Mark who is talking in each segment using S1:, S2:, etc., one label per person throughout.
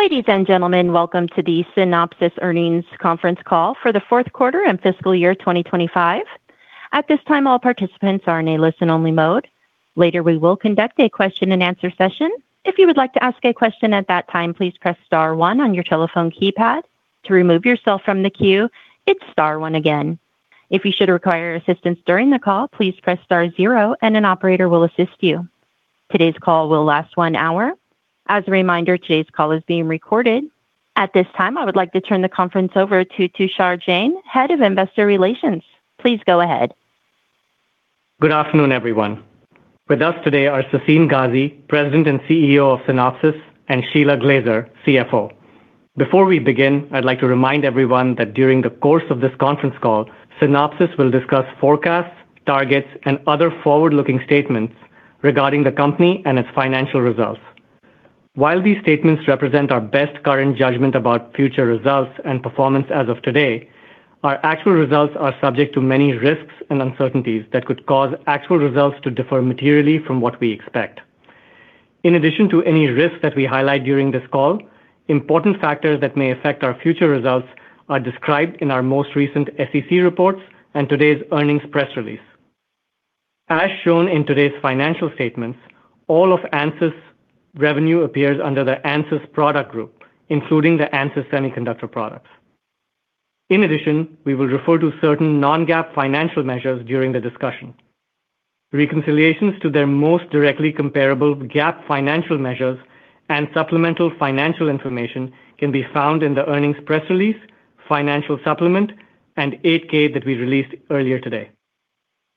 S1: Ladies and gentlemen, welcome to the Synopsys Earnings Conference Call for the fourth quarter and fiscal year 2025. At this time, all participants are in a listen-only mode. Later, we will conduct a question-and-answer session. If you would like to ask a question at that time, please press star one on your telephone keypad. To remove yourself from the queue, hit star one again. If you should require assistance during the call, please press star zero, and an operator will assist you. Today's call will last one hour. As a reminder, today's call is being recorded. At this time, I would like to turn the conference over to Tushar Jain, Head of Investor Relations. Please go ahead.
S2: Good afternoon, everyone. With us today are Sassine Ghazi, President and CEO of Synopsys, and Shelagh Glaser, CFO. Before we begin, I'd like to remind everyone that during the course of this conference call, Synopsys will discuss forecasts, targets, and other forward-looking statements regarding the company and its financial results. While these statements represent our best current judgment about future results and performance as of today, our actual results are subject to many risks and uncertainties that could cause actual results to differ materially from what we expect. In addition to any risks that we highlight during this call, important factors that may affect our future results are described in our most recent SEC reports and today's earnings press release. As shown in today's financial statements, all of Ansys' revenue appears under the Ansys product group, including the Ansys semiconductor products. In addition, we will refer to certain non-GAAP financial measures during the discussion. Reconciliations to their most directly comparable GAAP financial measures and supplemental financial information can be found in the earnings press release, financial supplement, and 8-K that we released earlier today.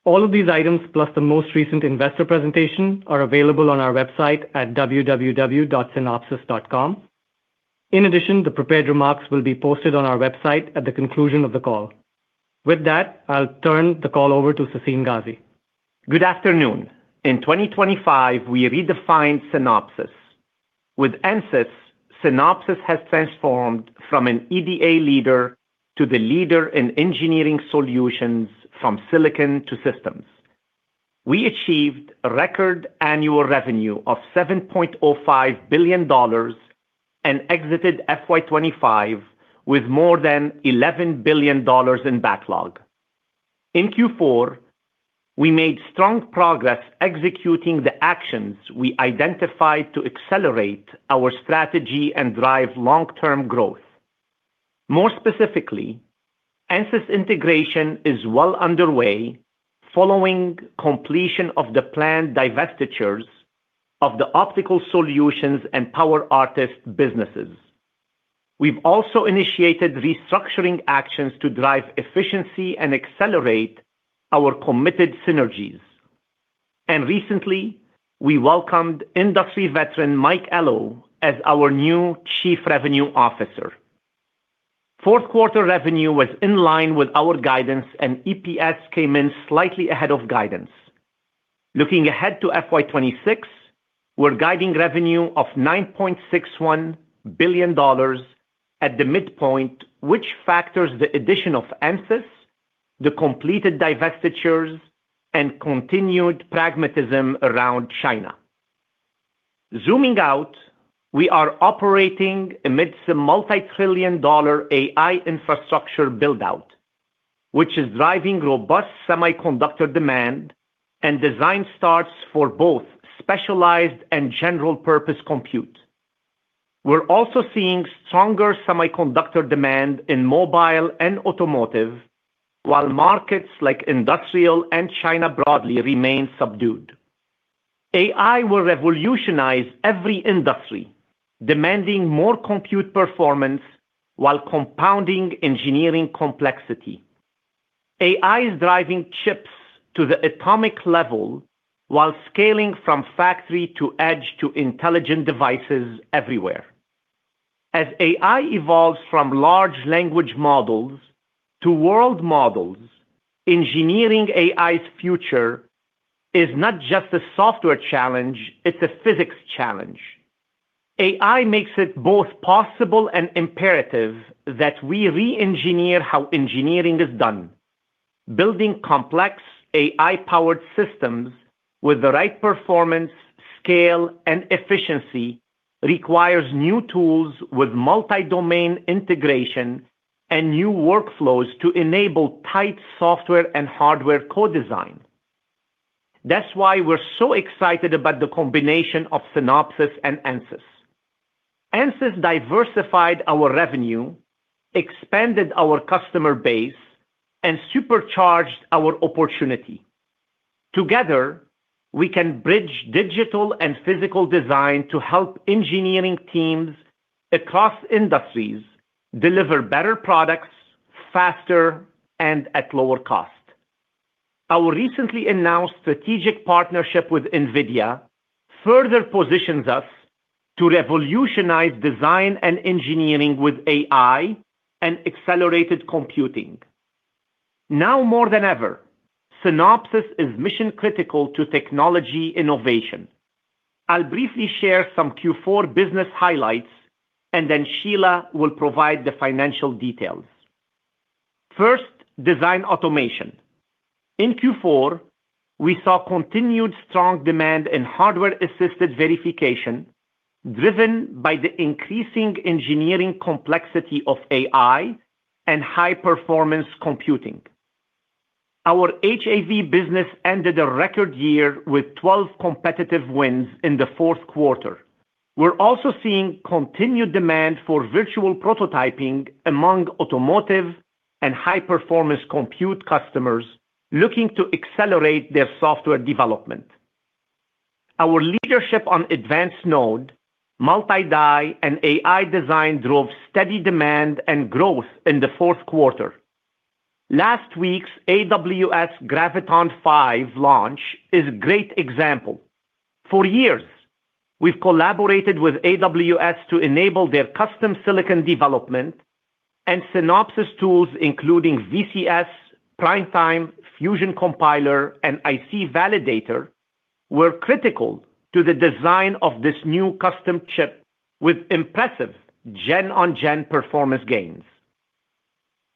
S2: All of these items, plus the most recent investor presentation, are available on our website at www.Synopsys.com. In addition, the prepared remarks will be posted on our website at the conclusion of the call. With that, I'll turn the call over to Sassine Ghazi.
S3: Good afternoon. In 2025, we redefined Synopsys. With Ansys, Synopsys has transformed from an EDA leader to the leader in engineering solutions from silicon to systems. We achieved record annual revenue of $7.05 billion and exited FY 2025 with more than $11 billion in backlog. In Q4, we made strong progress executing the actions we identified to accelerate our strategy and drive long-term growth. More specifically, Ansys integration is well underway following completion of the planned divestitures of the Optical Solutions and PowerArtist businesses. We've also initiated restructuring actions to drive efficiency and accelerate our committed synergies, and recently, we welcomed industry veteran Mike Ellow as our new Chief Revenue Officer. Fourth quarter revenue was in line with our guidance, and EPS came in slightly ahead of guidance. Looking ahead to FY 2026, we're guiding revenue of $9.61 billion at the midpoint, which factors the addition of Ansys, the completed divestitures, and continued pragmatism around China. Zooming out, we are operating amidst a multi-trillion-dollar AI infrastructure build-out, which is driving robust semiconductor demand and design starts for both specialized and general-purpose compute. We're also seeing stronger semiconductor demand in mobile and automotive, while markets like industrial and China broadly remain subdued. AI will revolutionize every industry, demanding more compute performance while compounding engineering complexity. AI is driving chips to the atomic level while scaling from factory to edge to intelligent devices everywhere. As AI evolves from large language models to world models, engineering AI's future is not just a software challenge. It's a physics challenge. AI makes it both possible and imperative that we re-engineer how engineering is done. Building complex AI-powered systems with the right performance, scale, and efficiency requires new tools with multi-domain integration and new workflows to enable tight software and hardware co-design. That's why we're so excited about the combination of Synopsys and Ansys. Ansys diversified our revenue, expanded our customer base, and supercharged our opportunity. Together, we can bridge digital and physical design to help engineering teams across industries deliver better products faster and at lower cost. Our recently announced strategic partnership with NVIDIA further positions us to revolutionize design and engineering with AI and accelerated computing. Now more than ever, Synopsys is mission-critical to technology innovation. I'll briefly share some Q4 business highlights, and then Shelagh will provide the financial details. First, Design Automation. In Q4, we saw continued strong demand in hardware-assisted verification driven by the increasing engineering complexity of AI and high-performance computing. Our HAV business ended a record year with 12 competitive wins in the fourth quarter. We're also seeing continued demand for virtual prototyping among automotive and high-performance compute customers looking to accelerate their software development. Our leadership on advanced node, multi-die, and AI design drove steady demand and growth in the fourth quarter. Last week's AWS Graviton5 launch is a great example. For years, we've collaborated with AWS to enable their custom silicon development, and Synopsys tools, including VCS, PrimeTime, Fusion Compiler, and IC Validator, were critical to the design of this new custom chip with impressive gen-on-gen performance gains.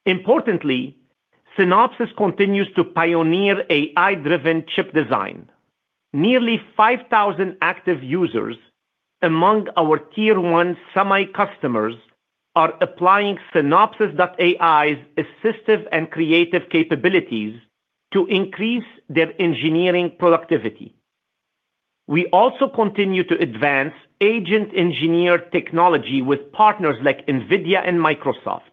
S3: Importantly, Synopsys continues to pioneer AI-driven chip design. Nearly 5,000 active users among our tier-one semi-customers are applying Synopsys.AI's assistive and creative capabilities to increase their engineering productivity. We also continue to advance agent-engineered technology with partners like NVIDIA and Microsoft.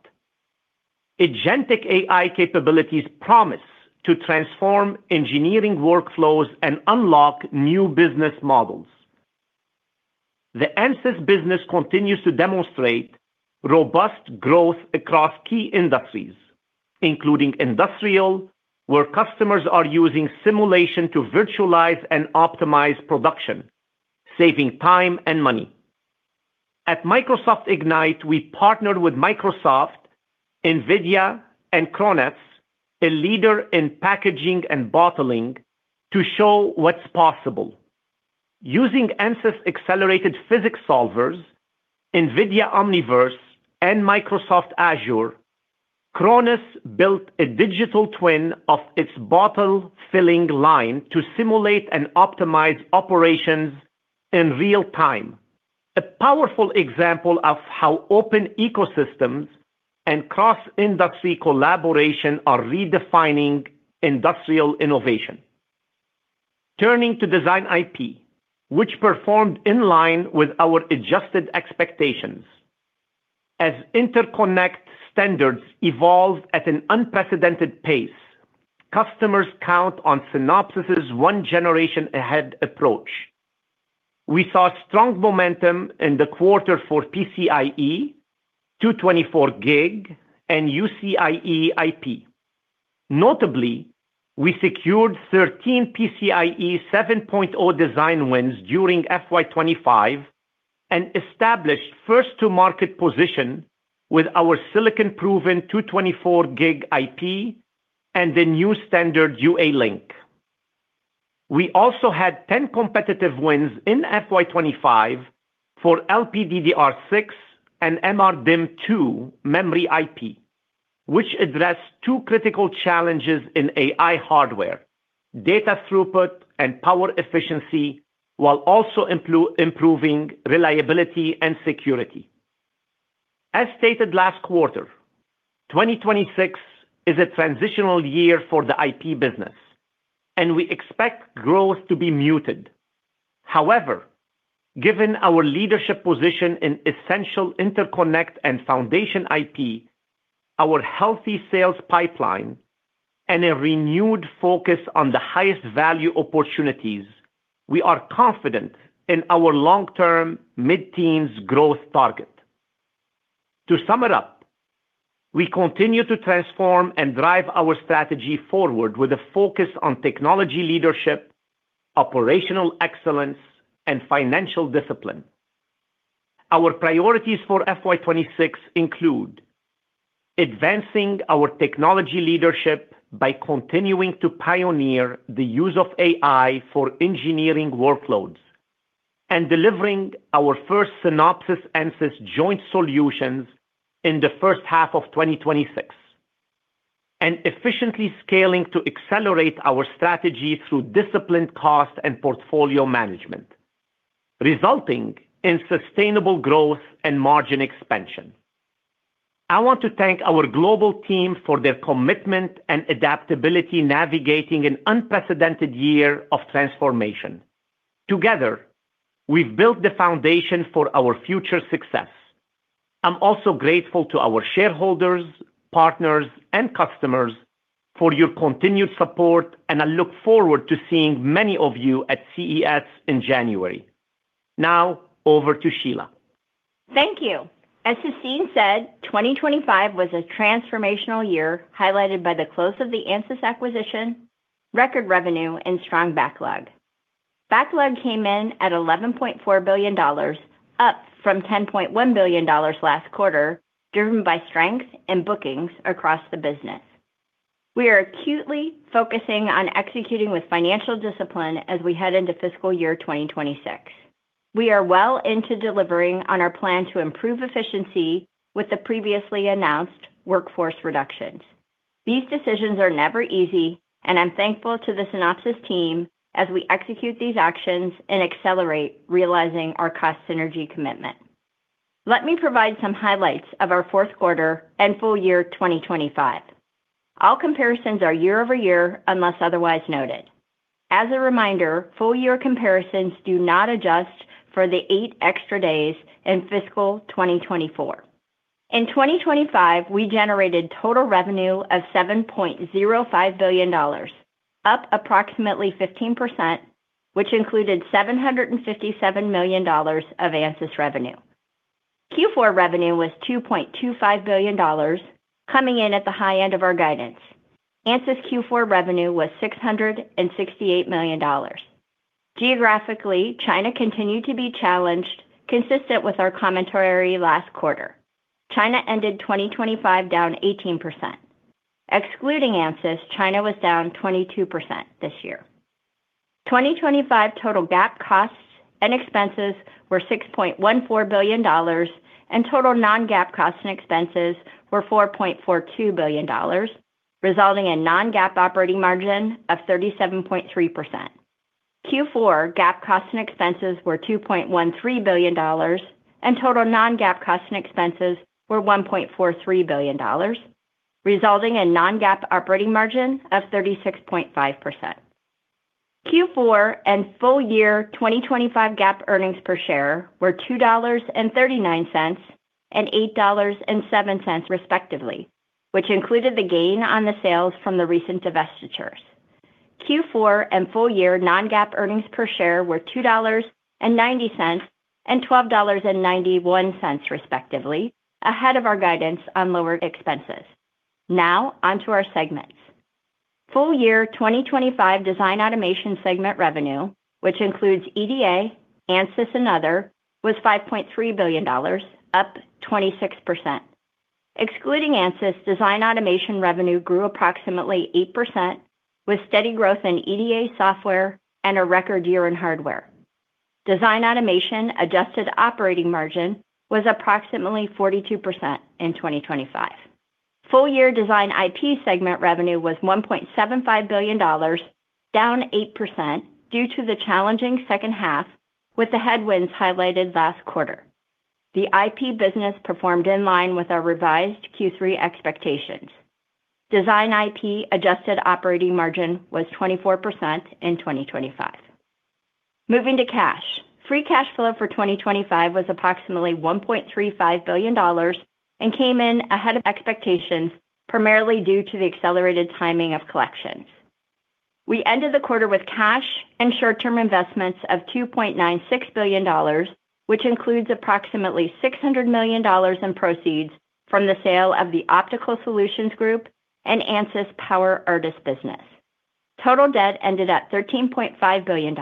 S3: Agentic AI capabilities promise to transform engineering workflows and unlock new business models. The Ansys business continues to demonstrate robust growth across key industries, including industrial, where customers are using simulation to virtualize and optimize production, saving time and money. At Microsoft Ignite, we partnered with Microsoft, NVIDIA, and Krones, a leader in packaging and bottling, to show what's possible. Using Ansys accelerated physics solvers, NVIDIA Omniverse, and Microsoft Azure, Krones built a digital twin of its bottle-filling line to simulate and optimize operations in real time, a powerful example of how open ecosystems and cross-industry collaboration are redefining industrial innovation. Turning to Design IP, which performed in line with our adjusted expectations. As interconnect standards evolved at an unprecedented pace, customers count on Synopsys' one-generation-ahead approach. We saw strong momentum in the quarter for PCIe, 224G, and UCIe IP. Notably, we secured 13 PCIe 7.0 design wins during FY25 and established first-to-market position with our silicon-proven 224 gig IP and the new standard UALink. We also had 10 competitive wins in FY25 for LPDDR6 and MRDIMM memory IP, which addressed two critical challenges in AI hardware: data throughput and power efficiency, while also improving reliability and security. As stated last quarter, 2026 is a transitional year for the IP business, and we expect growth to be muted. However, given our leadership position in essential interconnect and foundation IP, our healthy sales pipeline, and a renewed focus on the highest value opportunities, we are confident in our long-term mid-teens growth target. To sum it up, we continue to transform and drive our strategy forward with a focus on technology leadership, operational excellence, and financial discipline. Our priorities for FY26 include advancing our technology leadership by continuing to pioneer the use of AI for engineering workloads and delivering our first Synopsys-Ansys joint solutions in the first half of 2026, and efficiently scaling to accelerate our strategy through disciplined cost and portfolio management, resulting in sustainable growth and margin expansion. I want to thank our global team for their commitment and adaptability navigating an unprecedented year of transformation. Together, we've built the foundation for our future success. I'm also grateful to our shareholders, partners, and customers for your continued support, and I look forward to seeing many of you at CES in January. Now, over to Shelagh.
S4: Thank you. As Sassine said, 2025 was a transformational year highlighted by the close of the Ansys acquisition, record revenue, and strong backlog. Backlog came in at $11.4 billion, up from $10.1 billion last quarter, driven by strength and bookings across the business. We are acutely focusing on executing with financial discipline as we head into fiscal year 2026. We are well into delivering on our plan to improve efficiency with the previously announced workforce reductions. These decisions are never easy, and I'm thankful to the Synopsys team as we execute these actions and accelerate realizing our cost synergy commitment. Let me provide some highlights of our fourth quarter and full year 2025. All comparisons are year-over-year unless otherwise noted. As a reminder, full-year comparisons do not adjust for the eight extra days in fiscal 2024. In 2025, we generated total revenue of $7.05 billion, up approximately 15%, which included $757 million of Ansys revenue. Q4 revenue was $2.25 billion, coming in at the high end of our guidance. Ansys Q4 revenue was $668 million. Geographically, China continued to be challenged, consistent with our commentary last quarter. China ended 2025 down 18%. Excluding Ansys, China was down 22% this year. 2025 total GAAP costs and expenses were $6.14 billion, and total non-GAAP costs and expenses were $4.42 billion, resulting in non-GAAP operating margin of 37.3%. Q4 GAAP costs and expenses were $2.13 billion, and total non-GAAP costs and expenses were $1.43 billion, resulting in non-GAAP operating margin of 36.5%. Q4 and full year 2025 GAAP earnings per share were $2.39 and $8.07 respectively, which included the gain on the sales from the recent divestitures. Q4 and full year non-GAAP earnings per share were $2.90 and $12.91 respectively, ahead of our guidance on lower expenses. Now, onto our segments. Full year 2025 Design Automation segment revenue, which includes EDA, Ansys, and other, was $5.3 billion, up 26%. Excluding Ansys, Design Automation revenue grew approximately 8%, with steady growth in EDA software and a record year in hardware. Design Automation adjusted operating margin was approximately 42% in 2025. Full year Design IP segment revenue was $1.75 billion, down 8% due to the challenging second half, with the headwinds highlighted last quarter. The IP business performed in line with our revised Q3 expectations. Design IP adjusted operating margin was 24% in 2025. Moving to cash, free cash flow for 2025 was approximately $1.35 billion and came in ahead of expectations, primarily due to the accelerated timing of collections. We ended the quarter with cash and short-term investments of $2.96 billion, which includes approximately $600 million in proceeds from the sale of the Optical Solutions Group and Ansys PowerArtist business. Total debt ended at $13.5 billion.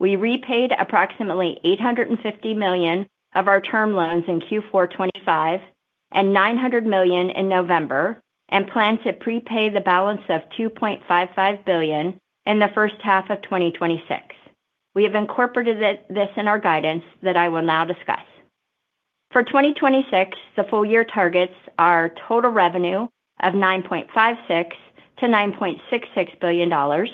S4: We repaid approximately $850 million of our term loans in Q4 2025 and $900 million in November, and plan to prepay the balance of $2.55 billion in the first half of 2026. We have incorporated this in our guidance that I will now discuss. For 2026, the full year targets are total revenue of $9.56 billion-$9.66 billion.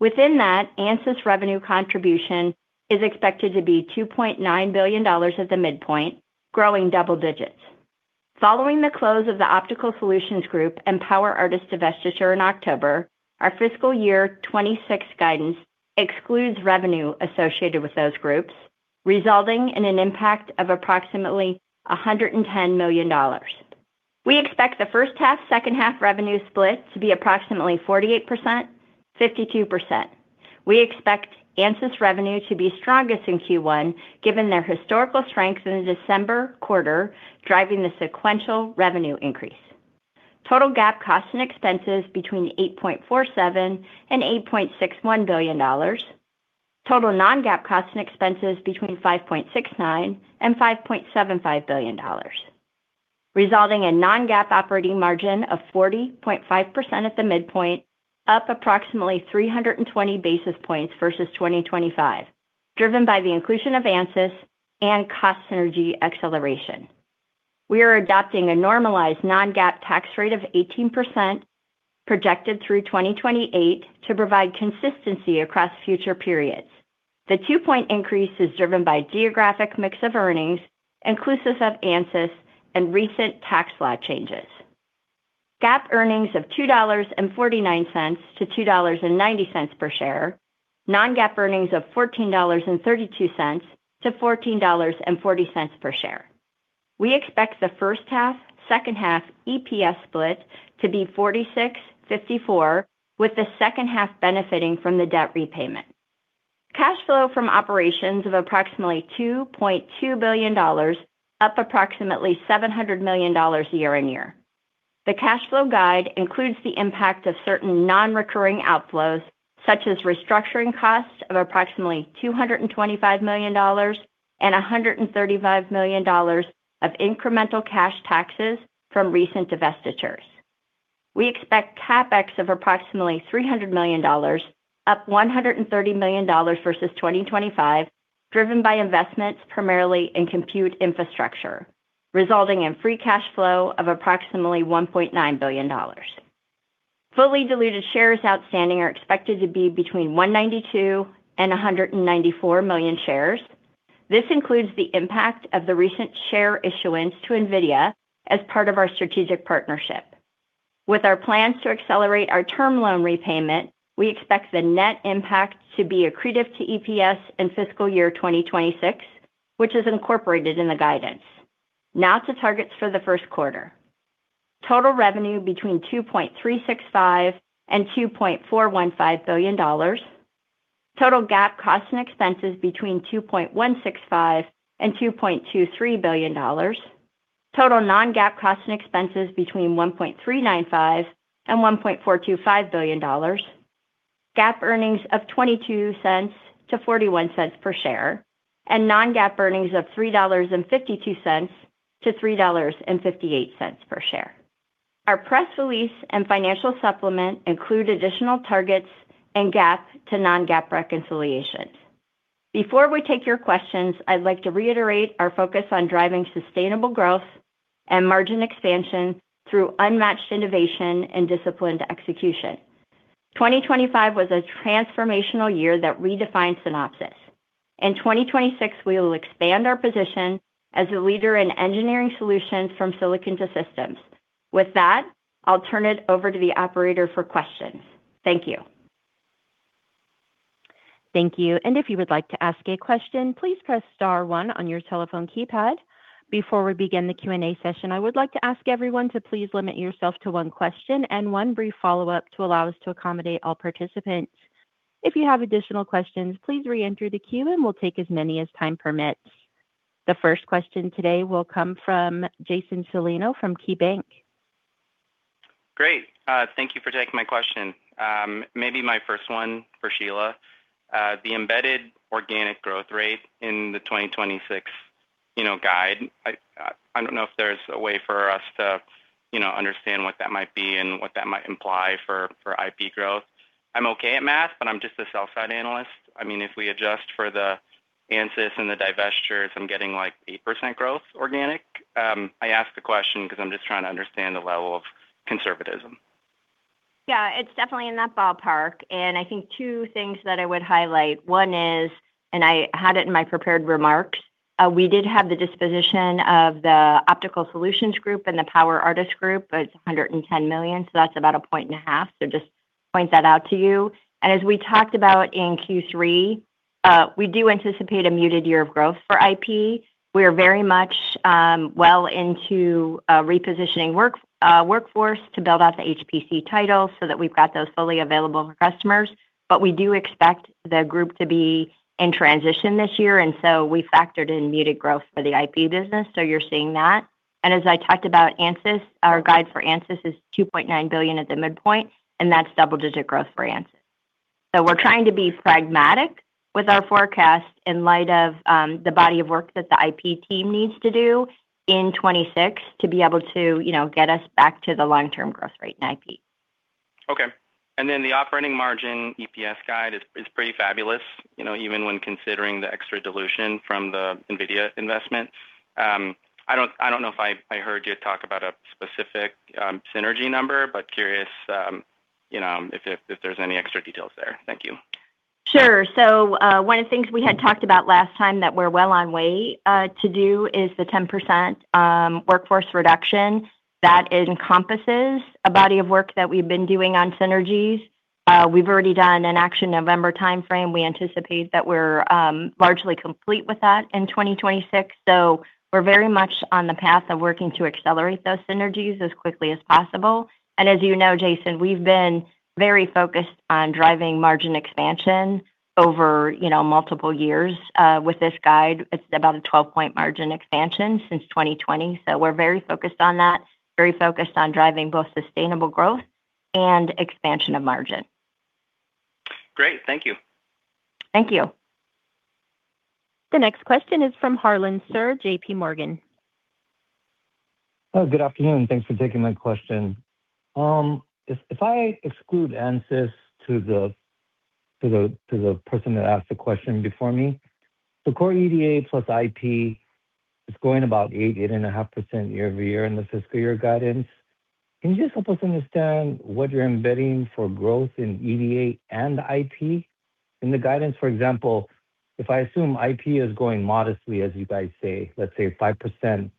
S4: Within that, Ansys revenue contribution is expected to be $2.9 billion at the midpoint, growing double digits. Following the close of the Optical Solutions Group and PowerArtist divestiture in October, our fiscal year 2026 guidance excludes revenue associated with those groups, resulting in an impact of approximately $110 million. We expect the first half-second half revenue split to be approximately 48%, 52%. We expect Ansys revenue to be strongest in Q1, given their historical strength in the December quarter, driving the sequential revenue increase. Total GAAP costs and expenses between $8.47 billion and $8.61 billion. Total non-GAAP costs and expenses between $5.69 billion and $5.75 billion, resulting in non-GAAP operating margin of 40.5% at the midpoint, up approximately 320 basis points versus 2025, driven by the inclusion of Ansys and cost synergy acceleration. We are adopting a normalized non-GAAP tax rate of 18% projected through 2028 to provide consistency across future periods. The two-point increase is driven by geographic mix of earnings, inclusive of Ansys and recent tax law changes. GAAP earnings of $2.49-$2.90 per share, non-GAAP earnings of $14.32-$14.40 per share. We expect the first half-second half EPS split to be 46.54, with the second half benefiting from the debt repayment. Cash flow from operations of approximately $2.2 billion, up approximately $700 million year-on-year. The cash flow guide includes the impact of certain non-recurring outflows, such as restructuring costs of approximately $225 million and $135 million of incremental cash taxes from recent divestitures. We expect CapEx of approximately $300 million, up $130 million versus 2025, driven by investments primarily in compute infrastructure, resulting in free cash flow of approximately $1.9 billion. Fully diluted shares outstanding are expected to be between 192 and 194 million shares. This includes the impact of the recent share issuance to NVIDIA as part of our strategic partnership. With our plans to accelerate our term loan repayment, we expect the net impact to be accretive to EPS in fiscal year 2026, which is incorporated in the guidance. Now to targets for the first quarter. Total revenue between $2.365 and $2.415 billion. Total GAAP costs and expenses between $2.165 billion and $2.23 billion. Total non-GAAP costs and expenses between $1.395 billion and $1.425 billion. GAAP earnings of $0.22 to $0.41 per share, and non-GAAP earnings of $3.52 to $3.58 per share. Our press release and financial supplement include additional targets and GAAP to non-GAAP reconciliation. Before we take your questions, I'd like to reiterate our focus on driving sustainable growth and margin expansion through unmatched innovation and disciplined execution. 2025 was a transformational year that redefined Synopsys. In 2026, we will expand our position as a leader in engineering solutions from silicon to systems. With that, I'll turn it over to the operator for questions. Thank you.
S1: Thank you, and if you would like to ask a question, please press star one on your telephone keypad. Before we begin the Q&A session, I would like to ask everyone to please limit yourself to one question and one brief follow-up to allow us to accommodate all participants. If you have additional questions, please re-enter the queue, and we'll take as many as time permits. The first question today will come from Jason Celino from KeyBanc Capital Markets.
S5: Great. Thank you for taking my question. Maybe my first one for Shelagh. The embedded organic growth rate in the 2026 guide, I don't know if there's a way for us to understand what that might be and what that might imply for IP growth. I'm okay at math, but I'm just a sell-side analyst. I mean, if we adjust for the Ansys and the divestitures, I'm getting like 8% growth organic. I asked the question because I'm just trying to understand the level of conservatism.
S4: Yeah, it's definitely in that ballpark. And I think two things that I would highlight. One is, and I had it in my prepared remarks, we did have the disposition of the Optical Solutions Group and the PowerArtist Group. It's $110 million, so that's about a point and a half. So just point that out to you. And as we talked about in Q3, we do anticipate a muted year of growth for IP. We are very much well into repositioning workforce to build out the HPC titles so that we've got those fully available for customers. But we do expect the group to be in transition this year. And so we factored in muted growth for the IP business. So you're seeing that. And as I talked about Ansys, our guide for Ansys is $2.9 billion at the midpoint, and that's double-digit growth for Ansys. So we're trying to be pragmatic with our forecast in light of the body of work that the IP team needs to do in 2026 to be able to get us back to the long-term growth rate in IP.
S5: Okay. And then the operating margin EPS guide is pretty fabulous, even when considering the extra dilution from the NVIDIA investment. I don't know if I heard you talk about a specific synergy number, but curious if there's any extra details there. Thank you.
S4: Sure. So one of the things we had talked about last time that we're well on way to do is the 10% workforce reduction that encompasses a body of work that we've been doing on synergies. We've already done an action November timeframe. We anticipate that we're largely complete with that in 2026. So we're very much on the path of working to accelerate those synergies as quickly as possible. And as you know, Jason, we've been very focused on driving margin expansion over multiple years with this guide. It's about a 12-point margin expansion since 2020. So we're very focused on that, very focused on driving both sustainable growth and expansion of margin.
S5: Great. Thank you.
S4: Thank you.
S1: The next question is from Harlan Sur, J.P. Morgan.
S6: Good afternoon. Thanks for taking my question. If I exclude Ansys to the person that asked the question before me, the core EDA plus IP is going about 8%-8.5% year-over-year in the fiscal year guidance. Can you just help us understand what you're embedding for growth in EDA and IP in the guidance? For example, if I assume IP is going modestly, as you guys say, let's say 5%,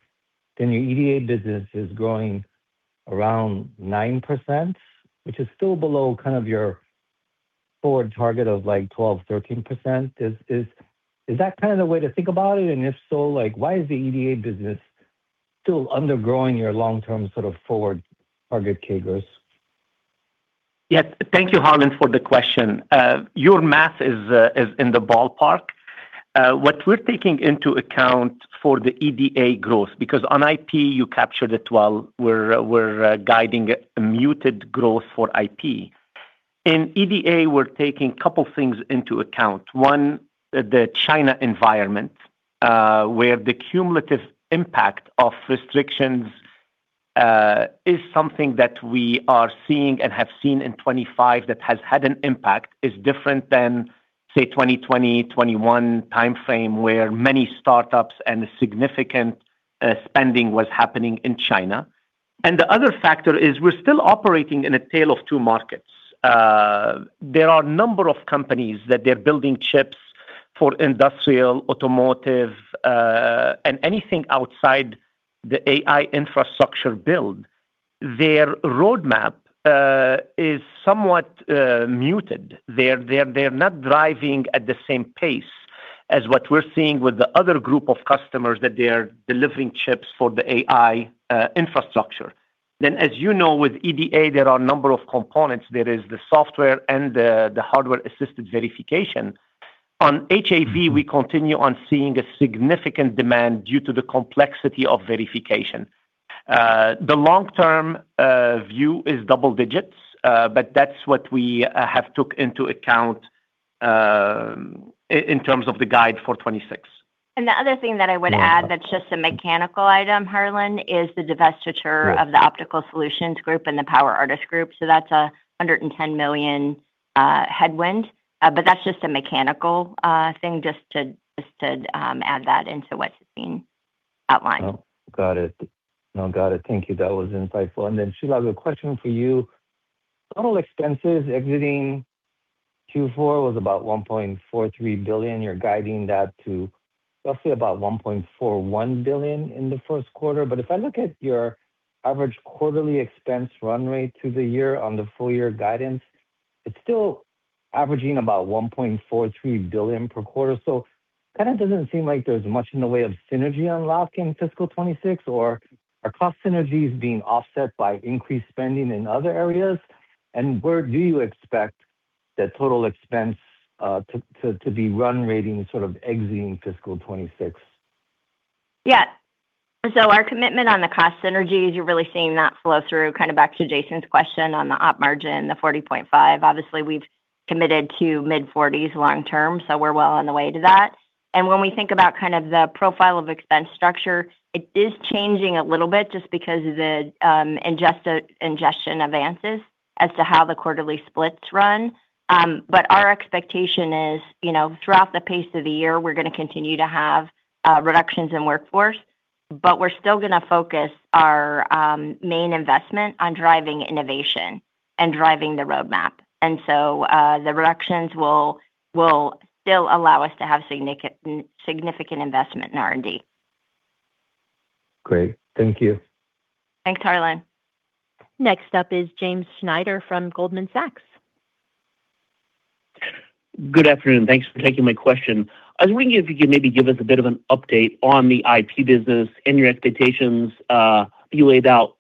S6: then your EDA business is growing around 9%, which is still below kind of your forward target of like 12%-13%. Is that kind of the way to think about it? And if so, why is the EDA business still undergrowing your long-term sort of forward target, CAGRs?
S3: Yes. Thank you, Harlan, for the question. Your math is in the ballpark. What we're taking into account for the EDA growth, because on IP, you captured it well, we're guiding a muted growth for IP. In EDA, we're taking a couple of things into account. One, the China environment, where the cumulative impact of restrictions is something that we are seeing and have seen in 2025 that has had an impact, is different than, say, 2020, 2021 timeframe, where many startups and significant spending was happening in China, and the other factor is we're still operating in a tale of two markets. There are a number of companies that they're building chips for industrial, automotive, and anything outside the AI infrastructure build. Their roadmap is somewhat muted. They're not driving at the same pace as what we're seeing with the other group of customers that they're delivering chips for the AI infrastructure. Then, as you know, with EDA, there are a number of components. There is the software and the hardware-assisted verification. On HAV, we continue on seeing a significant demand due to the complexity of verification. The long-term view is double digits, but that's what we have took into account in terms of the guide for 2026.
S4: And the other thing that I would add that's just a mechanical item, Harlan, is the divestiture of the Optical Solutions Group and the PowerArtist Group. So that's a $110 million headwind. But that's just a mechanical thing, just to add that into what's been outlined.
S6: Got it. No, got it. Thank you. That was insightful. And then, Shelagh, the question for you. Total expenses exiting Q4 was about $1.43 billion. You're guiding that to roughly about $1.41 billion in the first quarter. But if I look at your average quarterly expense run rate to the year on the full year guidance, it's still averaging about $1.43 billion per quarter. So it kind of doesn't seem like there's much in the way of synergy unlocking fiscal 2026, or are cost synergies being offset by increased spending in other areas? And where do you expect that total expense to be run rating sort of exiting fiscal 2026?
S4: Yeah. So our commitment on the cost synergies, you're really seeing that flow through kind of back to Jason's question on the op margin, the 40.5%. Obviously, we've committed to mid-40s long-term, so we're well on the way to that. And when we think about kind of the profile of expense structure, it is changing a little bit just because of the ingestion of Ansys as to how the quarterly splits run. But our expectation is throughout the pace of the year, we're going to continue to have reductions in workforce, but we're still going to focus our main investment on driving innovation and driving the roadmap. And so the reductions will still allow us to have significant investment in R&D.
S6: Great. Thank you.
S4: Thanks, Harlan.
S1: Next up is James Schneider from Goldman Sachs.
S7: Good afternoon. Thanks for taking my question. I was wondering if you could maybe give us a bit of an update on the IP business and your expectations that you laid out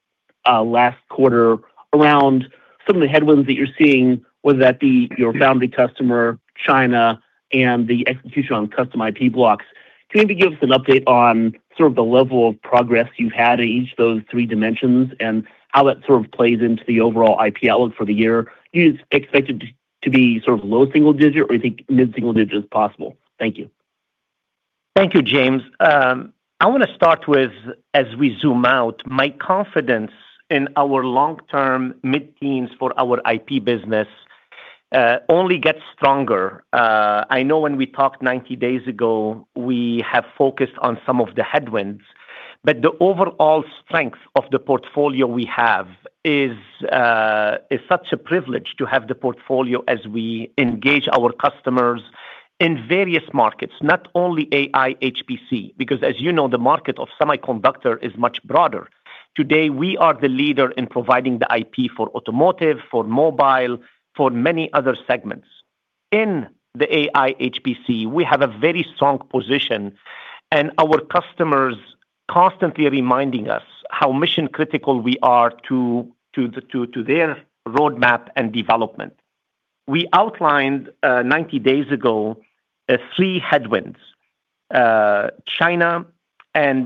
S7: last quarter around some of the headwinds that you're seeing, whether that be your foundry customer, China, and the execution on custom IP blocks. Can you maybe give us an update on sort of the level of progress you've had in each of those three dimensions and how that sort of plays into the overall IP outlook for the year? You expect it to be sort of low single-digit or you think mid-single digit is possible? Thank you.
S3: Thank you, James. I want to start with, as we zoom out, my confidence in our long-term mid-teens for our IP business only gets stronger. I know when we talked 90 days ago, we have focused on some of the headwinds, but the overall strength of the portfolio we have is such a privilege to have the portfolio as we engage our customers in various markets, not only AI, HPC, because, as you know, the market of semiconductor is much broader. Today, we are the leader in providing the IP for automotive, for mobile, for many other segments. In the AI, HPC, we have a very strong position, and our customers are constantly reminding us how mission-critical we are to their roadmap and development. We outlined 90 days ago three headwinds: China and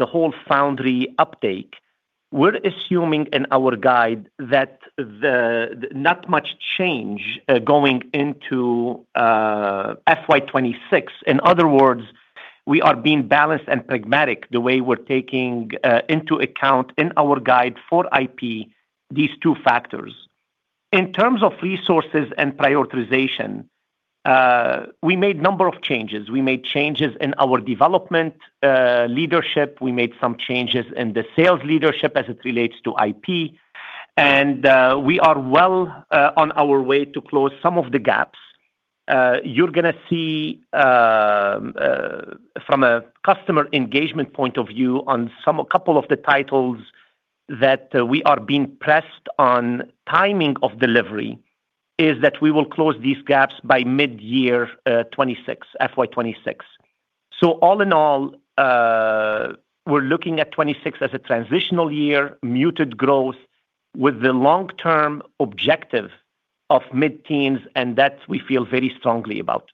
S3: the whole foundry uptake. We're assuming in our guide that not much change is going into FY 2026. In other words, we are being balanced and pragmatic the way we're taking into account in our guide for IP these two factors. In terms of resources and prioritization, we made a number of changes. We made changes in our development leadership. We made some changes in the sales leadership as it relates to IP. And we are well on our way to close some of the gaps. You're going to see from a customer engagement point of view on a couple of the titles that we are being pressed on timing of delivery is that we will close these gaps by mid-year 2026, FY 2026. So all in all, we're looking at 2026 as a transitional year, muted growth with the long-term objective of mid-teens, and that we feel very strongly about.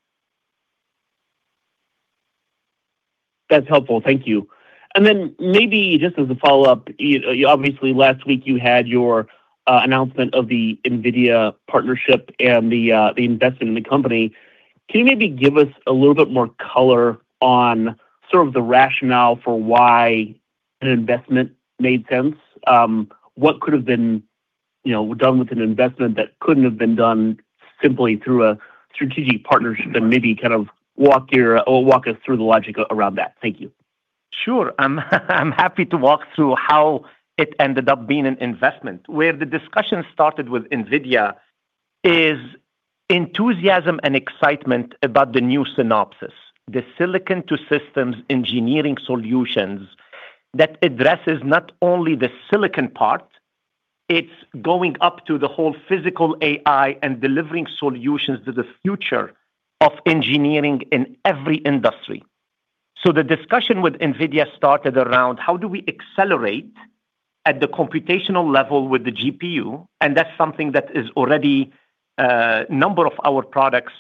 S7: That's helpful. Thank you. And then maybe just as a follow-up, obviously last week you had your announcement of the NVIDIA partnership and the investment in the company. Can you maybe give us a little bit more color on sort of the rationale for why an investment made sense? What could have been done with an investment that couldn't have been done simply through a strategic partnership and maybe kind of walk us through the logic around that? Thank you.
S3: Sure. I'm happy to walk through how it ended up being an investment. Where the discussion started with NVIDIA is enthusiasm and excitement about the new Synopsys, the silicon-to-systems engineering solutions that addresses not only the silicon part. It's going up to the whole physical AI and delivering solutions to the future of engineering in every industry. So the discussion with NVIDIA started around how do we accelerate at the computational level with the GPU, and that's something that is already a number of our products.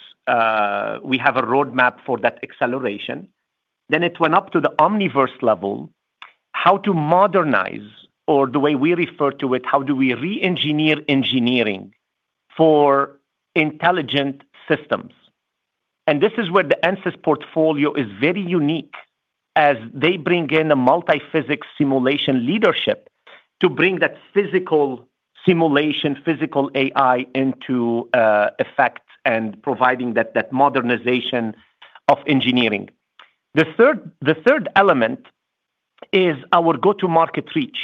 S3: We have a roadmap for that acceleration. Then it went up to the Omniverse level, how to modernize, or the way we refer to it, how do we re-engineer engineering for intelligent systems, and this is where the Ansys portfolio is very unique as they bring in a multi-physics simulation leadership to bring that physical simulation, physical AI into effect and providing that modernization of engineering. The third element is our go-to-market reach.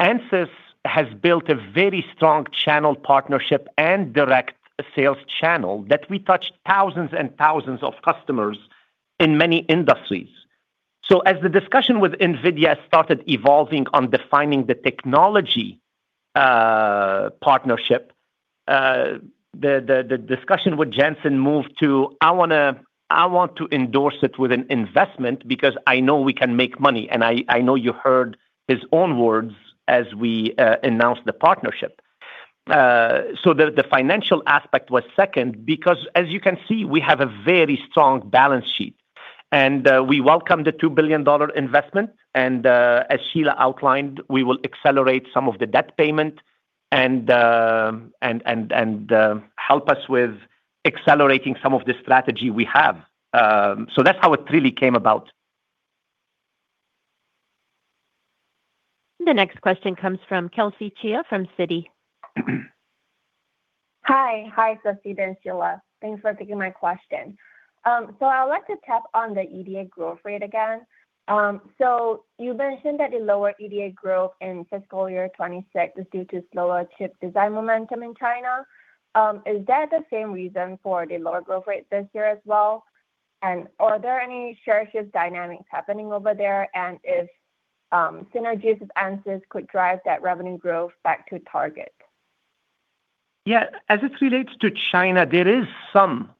S3: Ansys has built a very strong channel partnership and direct sales channel that we touched thousands and thousands of customers in many industries, so as the discussion with NVIDIA started evolving on defining the technology partnership, the discussion with Jensen moved to, "I want to endorse it with an investment because I know we can make money," and I know you heard his own words as we announced the partnership. So the financial aspect was second because, as you can see, we have a very strong balance sheet. And we welcome the $2 billion investment. And as Shelagh outlined, we will accelerate some of the debt payment and help us with accelerating some of the strategy we have. So that's how it really came about.
S1: The next question comes from Kelsey Chia from Citi.
S8: Hi. Hi, Sassine and Shelagh. Thanks for taking my question. So I would like to tap on the EDA growth rate again. So you mentioned that the lower EDA growth in fiscal year 2026 is due to slower chip design momentum in China. Is that the same reason for the lower growth rate this year as well? And are there any share shift dynamics happening over there? And if synergies with Ansys could drive that revenue growth back to target?
S3: Yeah. As it relates to China, there is some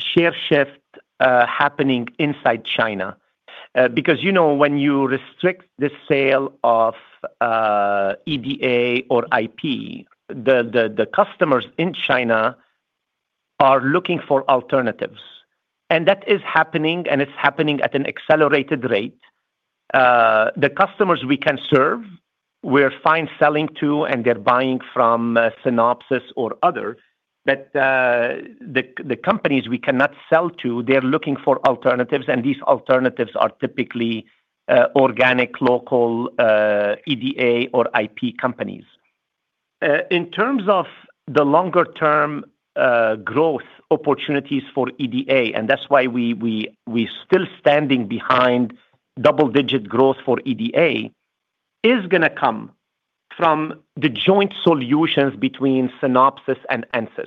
S3: share shift happening inside China because when you restrict the sale of EDA or IP, the customers in China are looking for alternatives. And that is happening, and it's happening at an accelerated rate. The customers we can serve, we're fine selling to, and they're buying from Synopsys or others. But the companies we cannot sell to, they're looking for alternatives, and these alternatives are typically organic, local EDA or IP companies. In terms of the longer-term growth opportunities for EDA, and that's why we're still standing behind double-digit growth for EDA, is going to come from the joint solutions between Synopsys and Ansys.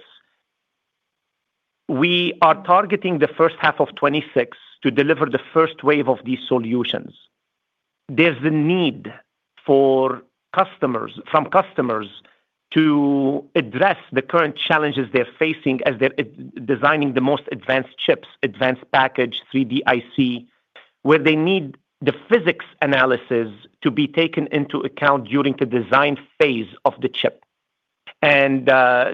S3: We are targeting the first half of 2026 to deliver the first wave of these solutions. There's a need from customers to address the current challenges they're facing as they're designing the most advanced chips, advanced package, 3D-IC, where they need the physics analysis to be taken into account during the design phase of the chip. And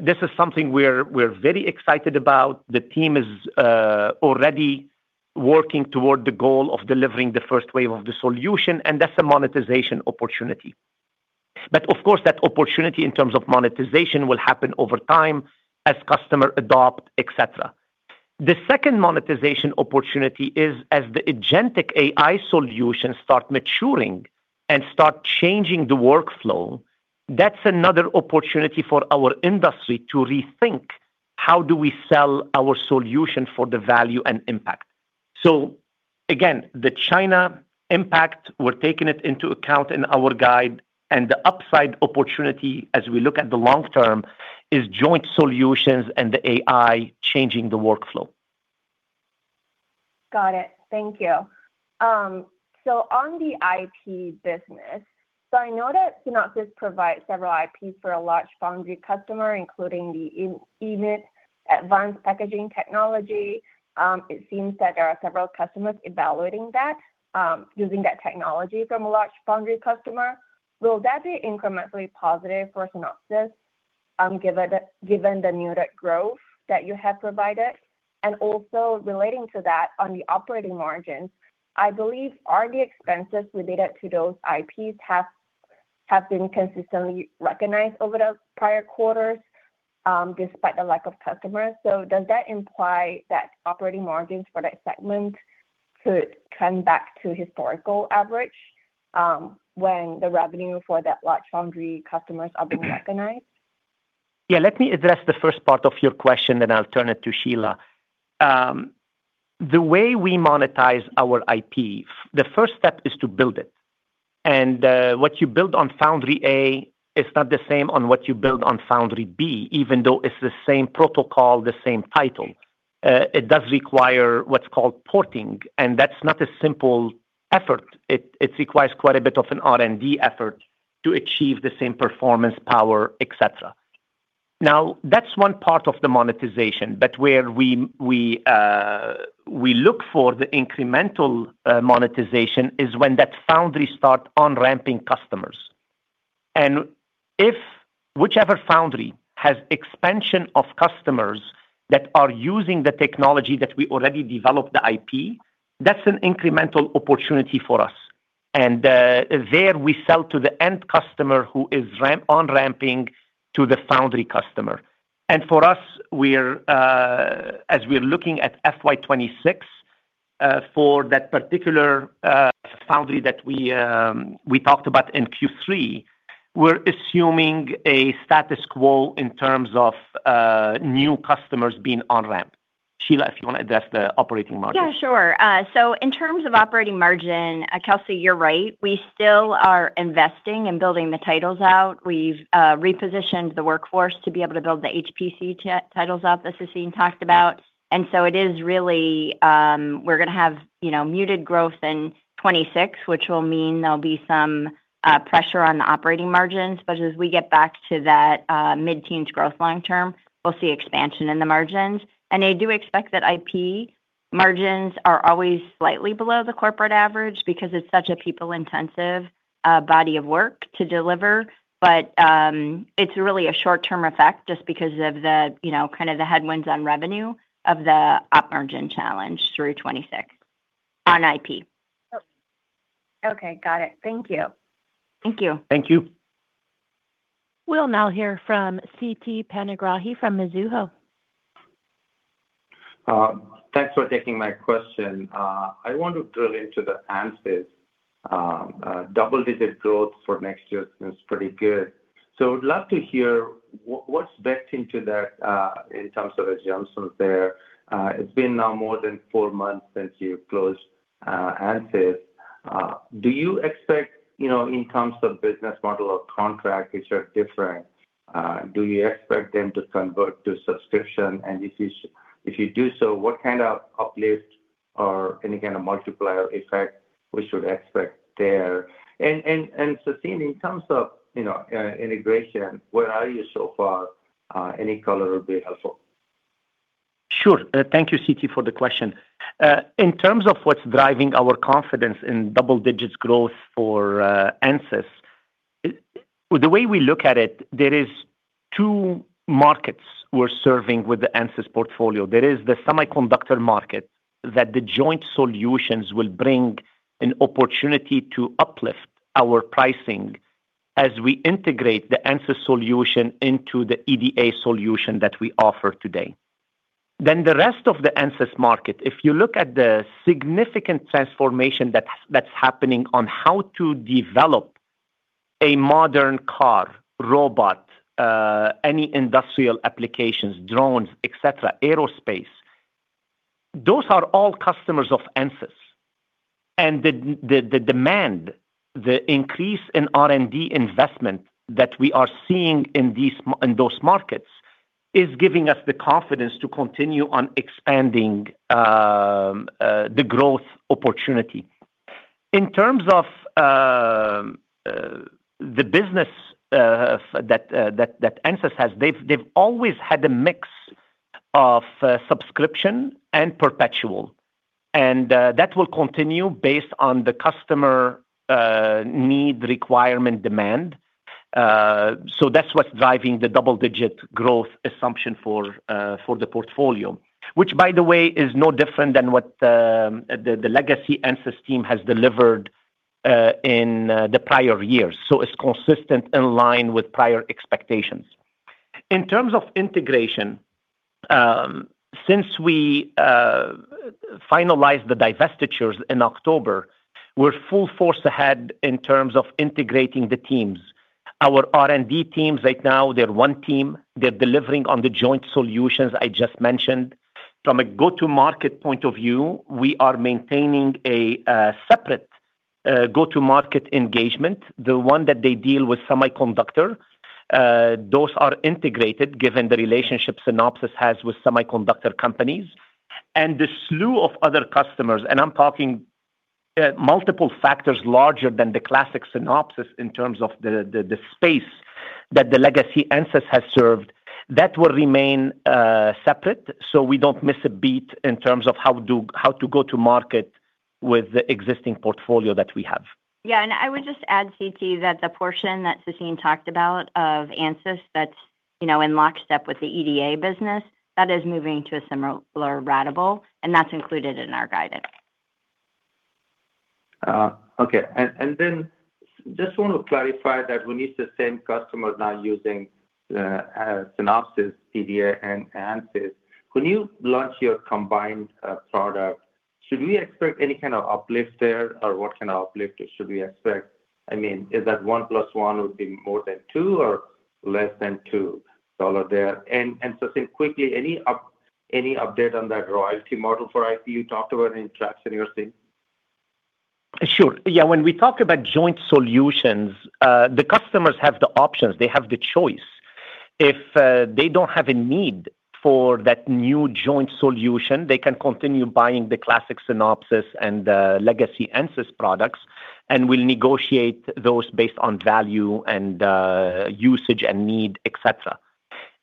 S3: this is something we're very excited about. The team is already working toward the goal of delivering the first wave of the solution, and that's a monetization opportunity. But of course, that opportunity in terms of monetization will happen over time as customers adopt, etc. The second monetization opportunity is as the Agentic AI solutions start maturing and start changing the workflow. That's another opportunity for our industry to rethink how do we sell our solution for the value and impact. So again, the China impact, we're taking it into account in our guide. The upside opportunity as we look at the long term is joint solutions and the AI changing the workflow.
S8: Got it. Thank you. So on the IP business, so I know that Synopsys provides several IPs for a large foundry customer, including the EMIB advanced packaging technology. It seems that there are several customers evaluating that using that technology from a large foundry customer. Will that be incrementally positive for Synopsys given the muted growth that you have provided? And also relating to that on the operating margins, I believe all the expenses related to those IPs have been consistently recognized over the prior quarters despite the lack of customers. So does that imply that operating margins for that segment could come back to historical average when the revenue for that large foundry customers are being recognized?
S3: Yeah. Let me address the first part of your question, then I'll turn it to Shelagh. The way we monetize our IP, the first step is to build it, and what you build on Foundry A is not the same on what you build on Foundry B, even though it's the same protocol, the same title. It does require what's called porting, and that's not a simple effort. It requires quite a bit of an R&D effort to achieve the same performance, power, etc. Now, that's one part of the monetization, but where we look for the incremental monetization is when that foundry starts on-ramping customers, and if whichever foundry has expansion of customers that are using the technology that we already developed the IP, that's an incremental opportunity for us, and there we sell to the end customer who is on-ramping to the foundry customer. And for us, as we're looking at FY 2026 for that particular foundry that we talked about in Q3, we're assuming a status quo in terms of new customers being on-ramped. Shelagh, if you want to address the operating margin.
S4: Yeah, sure. So in terms of operating margin, Kelsey, you're right. We still are investing and building the tiles out. We've repositioned the workforce to be able to build the HPC tiles out that Sassine talked about. And so it is really we're going to have muted growth in 2026, which will mean there'll be some pressure on the operating margins. But as we get back to that mid-teens growth long term, we'll see expansion in the margins. And I do expect that IP margins are always slightly below the corporate average because it's such a people-intensive body of work to deliver. But it's really a short-term effect just because of kind of the headwinds on revenue of the up-margin challenge through 2026 on IP.
S8: Okay. Got it. Thank you.
S4: Thank you.
S3: Thank you.
S1: We'll now hear from Siti Panigrahi from Mizuho.
S9: Thanks for taking my question. I want to drill into the Ansys. Double-digit growth for next year is pretty good. So I would love to hear what's baked into that in terms of adjustments there. It's been now more than four months since you closed Ansys. Do you expect in terms of business model or contract, which are different, do you expect them to convert to subscription? And if you do so, what kind of uplift or any kind of multiplier effect we should expect there? And Sassine, in terms of integration, where are you so far? Any color would be helpful.
S3: Sure. Thank you, Siti, for the question. In terms of what's driving our confidence in double-digits growth for Ansys, the way we look at it, there are two markets we're serving with the Ansys portfolio. There is the semiconductor market that the joint solutions will bring an opportunity to uplift our pricing as we integrate the Ansys solution into the EDA solution that we offer today, then the rest of the Ansys market, if you look at the significant transformation that's happening on how to develop a modern car, robot, any industrial applications, drones, etc., aerospace, those are all customers of Ansys, and the demand, the increase in R&D investment that we are seeing in those markets is giving us the confidence to continue on expanding the growth opportunity. In terms of the business that Ansys has, they've always had a mix of subscription and perpetual. And that will continue based on the customer need, requirement, demand. So that's what's driving the double-digit growth assumption for the portfolio, which, by the way, is no different than what the legacy Ansys team has delivered in the prior years. So it's consistent in line with prior expectations. In terms of integration, since we finalized the divestitures in October, we're full force ahead in terms of integrating the teams. Our R&D teams right now, they're one team. They're delivering on the joint solutions I just mentioned. From a go-to-market point of view, we are maintaining a separate go-to-market engagement, the one that they deal with semiconductor. Those are integrated given the relationship Synopsys has with semiconductor companies. And the slew of other customers, and I'm talking multiple factors larger than the classic Synopsys in terms of the space that the legacy Ansys has served, that will remain separate so we don't miss a beat in terms of how to go-to-market with the existing portfolio that we have.
S4: Yeah, and I would just add, Siti, that the portion that Sassine talked about of Ansys that's in lockstep with the EDA business, that is moving to a similar ratable, and that's included in our guidance.
S9: Okay. And then just want to clarify that we need the same customers now using Synopsys, EDA, and Ansys. When you launch your combined product, should we expect any kind of uplift there? Or what kind of uplift should we expect? I mean, is that one plus one would be more than two or less than two dollar there? And Sassine, quickly, any update on that royalty model for IP you talked about in tracks in your team?
S3: Sure. Yeah. When we talk about joint solutions, the customers have the options. They have the choice. If they don't have a need for that new joint solution, they can continue buying the classic Synopsys and legacy Ansys products, and we'll negotiate those based on value and usage and need, etc.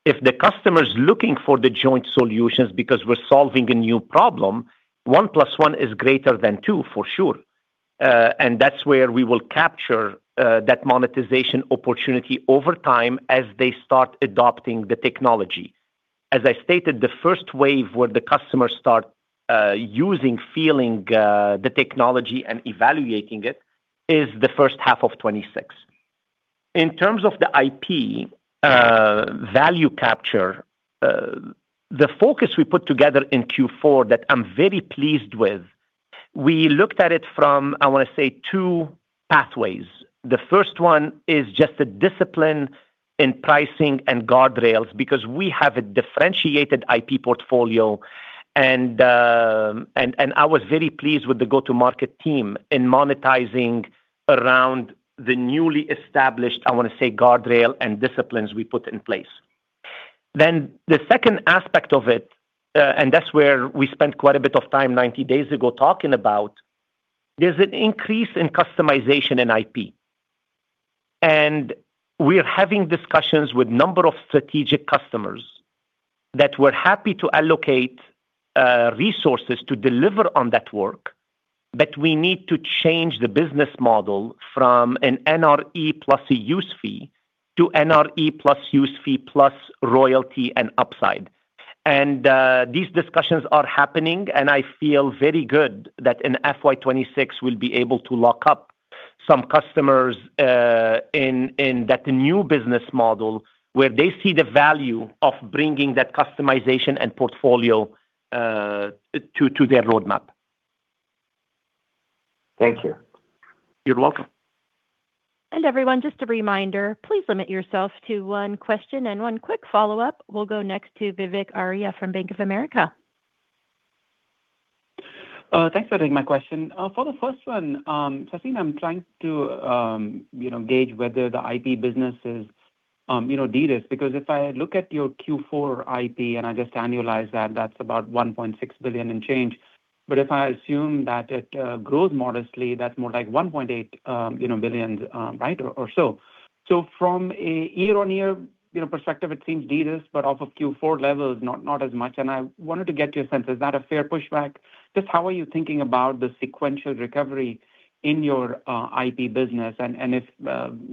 S3: If the customer is looking for the joint solutions because we're solving a new problem, one plus one is greater than two for sure. And that's where we will capture that monetization opportunity over time as they start adopting the technology. As I stated, the first wave where the customers start using, feeling the technology and evaluating it is the first half of 2026. In terms of the IP value capture, the focus we put together in Q4 that I'm very pleased with, we looked at it from, I want to say, two pathways. The first one is just a discipline in pricing and guardrails because we have a differentiated IP portfolio, and I was very pleased with the go-to-market team in monetizing around the newly established, I want to say, guardrail and disciplines we put in place, then the second aspect of it, and that's where we spent quite a bit of time 90 days ago talking about, there's an increase in customization in IP, and we're having discussions with a number of strategic customers that we're happy to allocate resources to deliver on that work, but we need to change the business model from an NRE plus a use fee to NRE plus use fee plus royalty and upside. And these discussions are happening, and I feel very good that in FY26, we'll be able to lock up some customers in that new business model where they see the value of bringing that customization and portfolio to their roadmap.
S9: Thank you.
S3: You're welcome.
S1: And everyone, just a reminder, please limit yourself to one question and one quick follow-up. We'll go next to Vivek Arya from Bank of America.
S10: Thanks for taking my question. For the first one, Sassine, I'm trying to gauge whether the IP business is de-risked because if I look at your Q4 IP and I just annualize that, that's about $1.6 billion and change. But if I assume that it grows modestly, that's more like $1.8 billion, right, or so. So from a year-on-year perspective, it seems de-risked, but off of Q4 levels, not as much. And I wanted to get your sense. Is that a fair pushback? Just how are you thinking about the sequential recovery in your IP business? And if,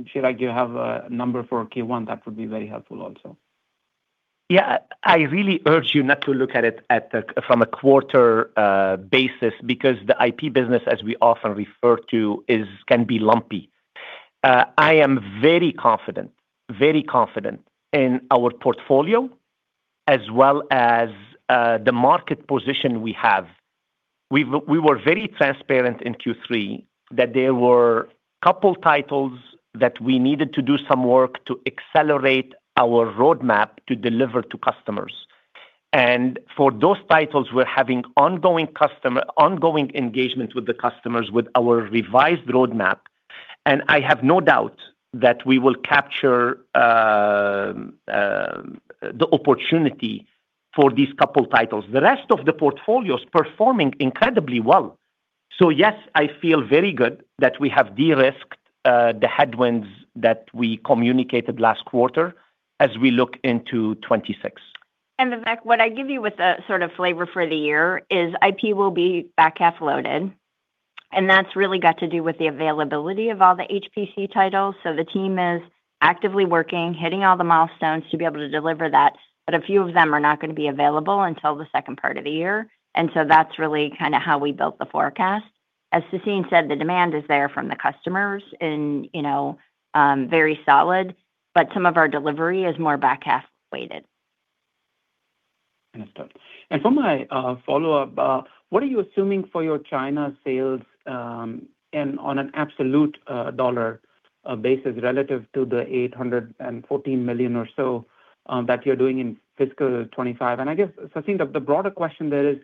S10: Shelagh, you have a number for Q1, that would be very helpful also.
S3: Yeah. I really urge you not to look at it from a quarter basis because the IP business, as we often refer to, can be lumpy. I am very confident, very confident in our portfolio as well as the market position we have. We were very transparent in Q3 that there were a couple of titles that we needed to do some work to accelerate our roadmap to deliver to customers, and for those titles, we're having ongoing engagement with the customers with our revised roadmap, and I have no doubt that we will capture the opportunity for these couple of titles. The rest of the portfolio is performing incredibly well, so yes, I feel very good that we have de-risked the headwinds that we communicated last quarter as we look into 2026.
S4: And Vivek, what I give you with a sort of flavor for the year is IP will be back half loaded. And that's really got to do with the availability of all the HPC titles. So the team is actively working, hitting all the milestones to be able to deliver that. But a few of them are not going to be available until the second part of the year. And so that's really kind of how we built the forecast. As Sassine said, the demand is there from the customers and very solid, but some of our delivery is more back half weighted.
S10: For my follow-up, what are you assuming for your China sales on an absolute dollar basis relative to the $814 million or so that you're doing in fiscal 2025? I guess, Sassine, the broader question there is,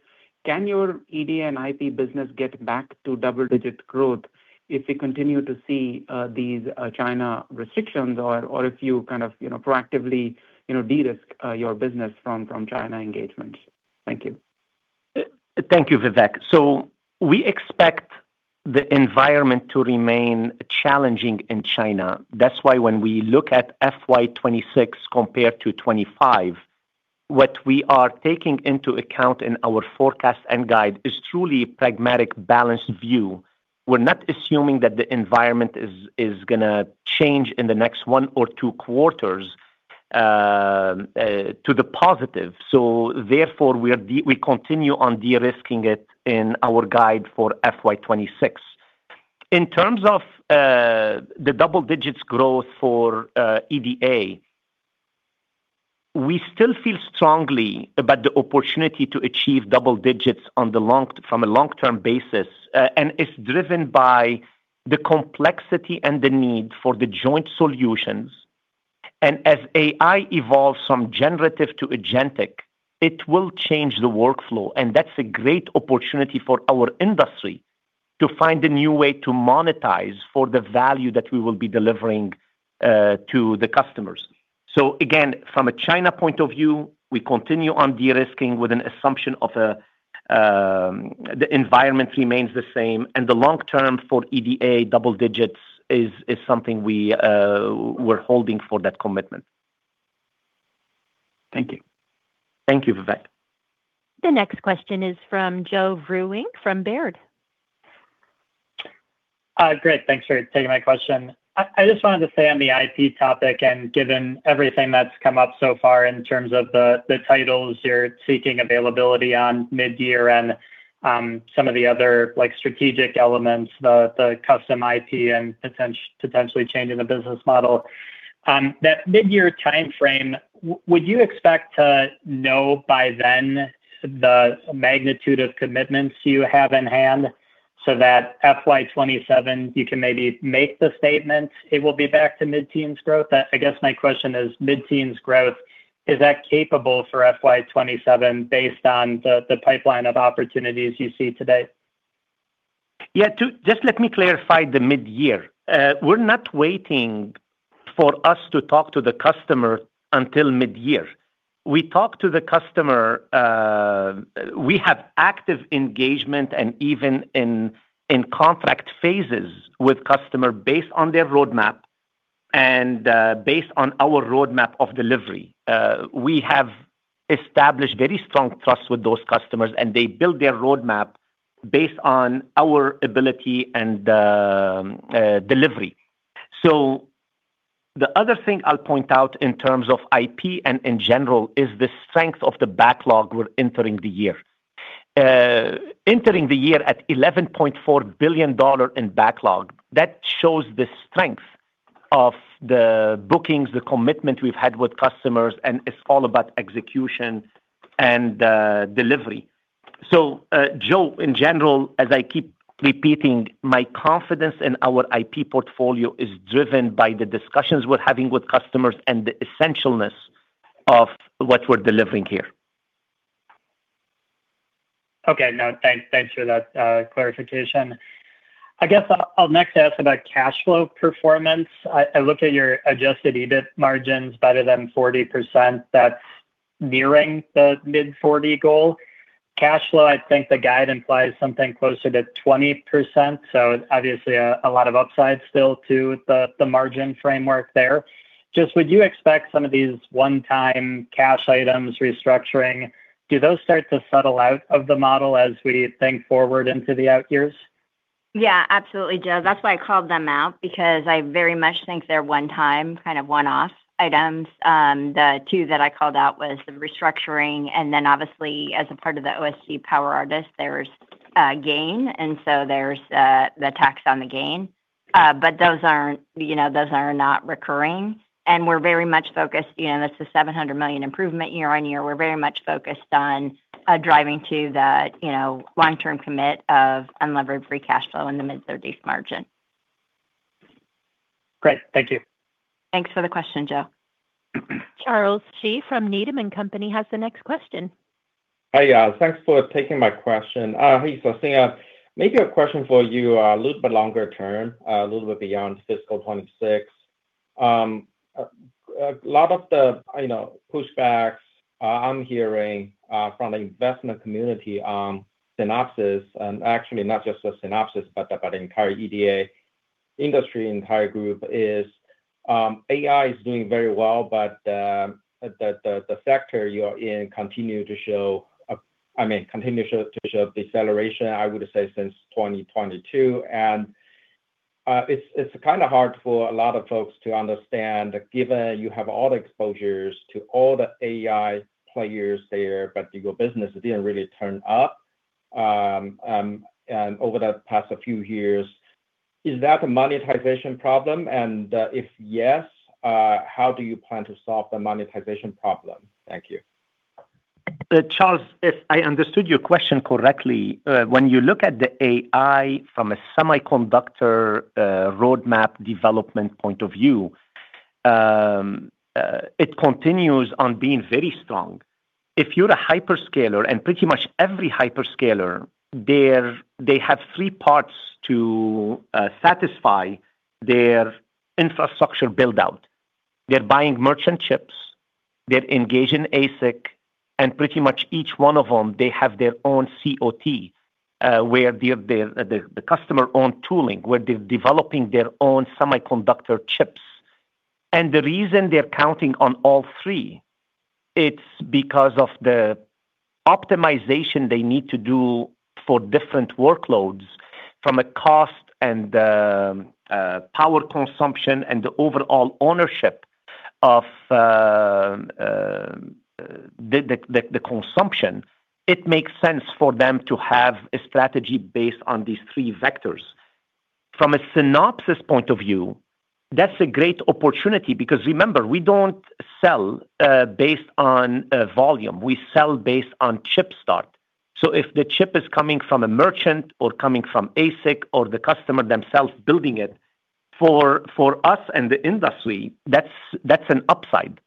S10: can your EDA and IP business get back to double-digit growth if we continue to see these China restrictions or if you kind of proactively de-risk your business from China engagements? Thank you.
S3: Thank you, Vivek. So we expect the environment to remain challenging in China. That's why, when we look at FY 2026 compared to 2025, what we are taking into account in our forecast and guide is truly a pragmatic balanced view. We're not assuming that the environment is going to change in the next one or two quarters to the positive. So therefore, we continue on de-risking it in our guide for FY 2026. In terms of the double-digits growth for EDA, we still feel strongly about the opportunity to achieve double digits from a long-term basis. And it's driven by the complexity and the need for the joint solutions. And as AI evolves from generative to agentic, it will change the workflow. And that's a great opportunity for our industry to find a new way to monetize for the value that we will be delivering to the customers. So again, from a China point of view, we continue on de-risking with an assumption of the environment remains the same. And the long-term for EDA double digits is something we're holding for that commitment.
S10: Thank you.
S3: Thank you, Vivek.
S1: The next question is from Joe Vruwink from Baird.
S11: Great. Thanks for taking my question. I just wanted to say on the IP topic and given everything that's come up so far in terms of the titles you're seeking availability on mid-year and some of the other strategic elements, the custom IP and potentially changing the business model, that mid-year timeframe, would you expect to know by then the magnitude of commitments you have in hand so that FY 2027, you can maybe make the statement it will be back to mid-teens growth? I guess my question is, mid-teens growth, is that capable for FY 2027 based on the pipeline of opportunities you see today?
S3: Yeah. Just let me clarify the mid-year. We're not waiting for us to talk to the customer until mid-year. We talk to the customer. We have active engagement and even in contract phases with customers based on their roadmap and based on our roadmap of delivery. We have established very strong trust with those customers, and they build their roadmap based on our ability and delivery. So the other thing I'll point out in terms of IP and in general is the strength of the backlog we're entering the year. Entering the year at $11.4 billion in backlog, that shows the strength of the bookings, the commitment we've had with customers, and it's all about execution and delivery. So Joe, in general, as I keep repeating, my confidence in our IP portfolio is driven by the discussions we're having with customers and the essentialness of what we're delivering here.
S11: Okay. No. Thanks for that clarification. I guess I'll next ask about cash flow performance. I looked at your adjusted EBIT margins, better than 40%. That's nearing the mid-40s goal. Cash flow, I think the guide implies something closer to 20%. So obviously, a lot of upside still to the margin framework there. Just would you expect some of these one-time cash items restructuring, do those start to settle out of the model as we think forward into the out years?
S4: Yeah. Absolutely, Joe. That's why I called them out because I very much think they're one-time kind of one-off items. The two that I called out was the restructuring. And then obviously, as a part of the OSC PowerArtist, there's gain. And so there's the tax on the gain. But those are not recurring. And we're very much focused, and it's a $700 million improvement year on year. We're very much focused on driving to the long-term commit of unlevered free cash flow in the mid-30s margin.
S11: Great. Thank you.
S4: Thanks for the question, Joe.
S1: Charles Shi from Needham & Company has the next question.
S12: Hi, yeah. Thanks for taking my question. Hey, Sassine, maybe a question for you a little bit longer term, a little bit beyond fiscal 2026. A lot of the pushbacks I'm hearing from the investment community on Synopsys, and actually not just Synopsys, but the entire EDA industry, entire group is AI is doing very well, but the sector you're in continues to show, I mean, continues to show deceleration, I would say, since 2022. And it's kind of hard for a lot of folks to understand, given you have all the exposures to all the AI players there, but your business didn't really turn up over the past few years. Is that a monetization problem? And if yes, how do you plan to solve the monetization problem? Thank you.
S3: Charles, if I understood your question correctly, when you look at the AI from a semiconductor roadmap development point of view, it continues on being very strong. If you're a hyperscaler and pretty much every hyperscaler, they have three parts to satisfy their infrastructure buildout. They're buying merchant chips. They're engaging ASIC. And pretty much each one of them, they have their own COT where the customer-owned tooling, where they're developing their own semiconductor chips. And the reason they're counting on all three, it's because of the optimization they need to do for different workloads from a cost and power consumption and the overall ownership of the consumption. It makes sense for them to have a strategy based on these three vectors. From a Synopsys point of view, that's a great opportunity because remember, we don't sell based on volume. We sell based on chip start. So if the chip is coming from a merchant or coming from ASIC or the customer themselves building it, for us and the industry, that's an upside.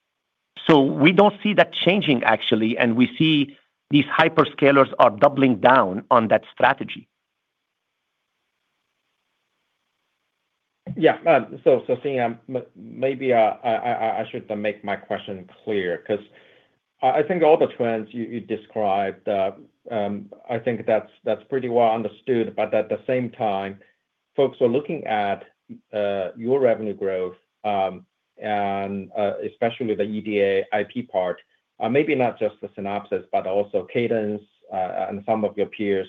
S3: So we don't see that changing, actually. And we see these hyperscalers are doubling down on that strategy.
S12: Yeah. So Sassine, maybe I should make my question clear because I think all the trends you described, I think that's pretty well understood, but at the same time, folks are looking at your revenue growth, and especially the EDA IP part, maybe not just the Synopsys, but also Cadence and some of your peers.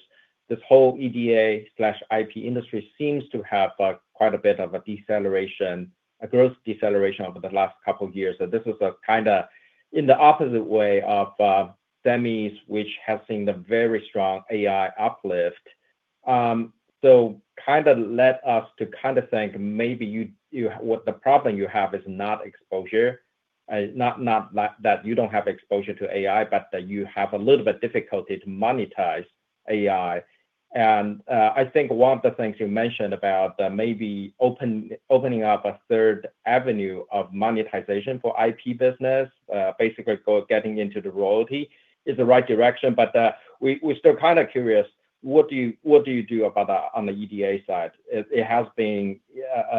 S12: This whole EDA/IP industry seems to have quite a bit of a deceleration, a growth deceleration over the last couple of years, and this is kind of in the opposite way of semis, which has seen a very strong AI uplift, so kind of led us to kind of think maybe the problem you have is not exposure, not that you don't have exposure to AI, but that you have a little bit of difficulty to monetize AI. And I think one of the things you mentioned about maybe opening up a third avenue of monetization for IP business, basically getting into the royalty, is the right direction. But we're still kind of curious, what do you do about that on the EDA side? It has been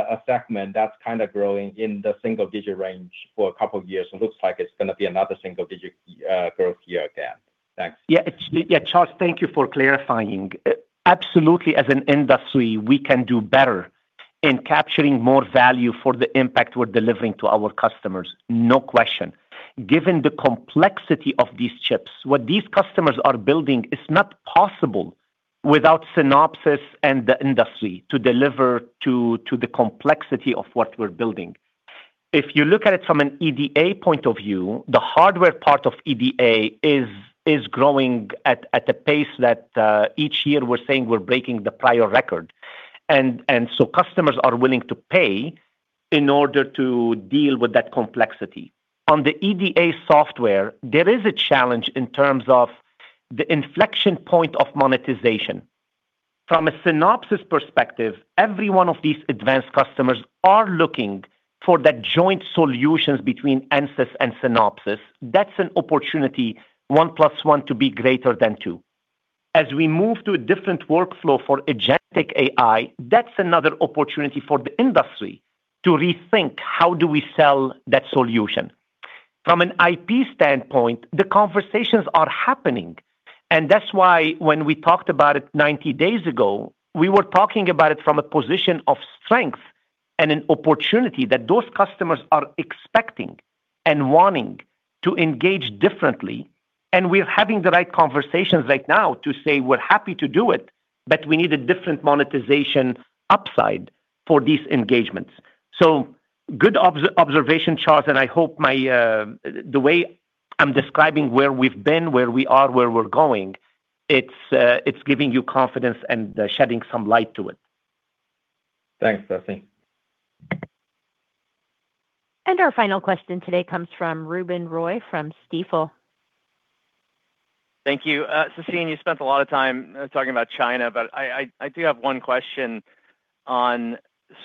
S12: a segment that's kind of growing in the single-digit range for a couple of years. It looks like it's going to be another single-digit growth year again. Thanks.
S3: Yeah. Yeah, Charles, thank you for clarifying. Absolutely, as an industry, we can do better in capturing more value for the impact we're delivering to our customers, no question. Given the complexity of these chips, what these customers are building is not possible without Synopsys and the industry to deliver to the complexity of what we're building. If you look at it from an EDA point of view, the hardware part of EDA is growing at a pace that each year we're saying we're breaking the prior record. And so customers are willing to pay in order to deal with that complexity. On the EDA software, there is a challenge in terms of the inflection point of monetization. From a Synopsys perspective, every one of these advanced customers are looking for that joint solutions between Ansys and Synopsys. That's an opportunity, one plus one to be greater than two. As we move to a different workflow for agentic AI, that's another opportunity for the industry to rethink how do we sell that solution. From an IP standpoint, the conversations are happening, and that's why when we talked about it 90 days ago, we were talking about it from a position of strength and an opportunity that those customers are expecting and wanting to engage differently, and we're having the right conversations right now to say we're happy to do it, but we need a different monetization upside for these engagements, so good observation, Charles, and I hope the way I'm describing where we've been, where we are, where we're going, it's giving you confidence and shedding some light to it.
S12: Thanks, Sassine.
S1: Our final question today comes from Ruben Roy from Stifel.
S13: Thank you. Sassine, you spent a lot of time talking about China, but I do have one question on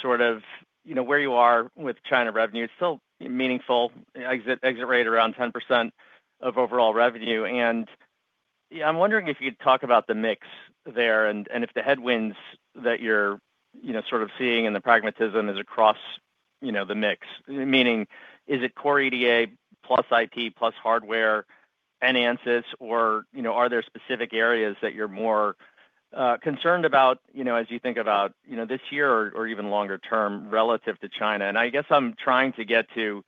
S13: sort of where you are with China revenue. It's still meaningful, exit rate around 10% of overall revenue. And I'm wondering if you could talk about the mix there and if the headwinds that you're sort of seeing and the pragmatism is across the mix, meaning is it core EDA plus IP plus hardware and Ansys, or are there specific areas that you're more concerned about as you think about this year or even longer term relative to China? And I guess I'm trying to get to,